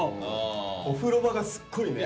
お風呂場がすっごいね。